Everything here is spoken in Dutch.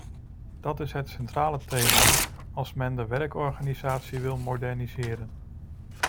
Dat is het centrale thema als men de werkorganisatie wil moderniseren.